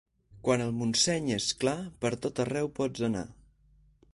Quan el Montseny és clar, per tot arreu pots anar.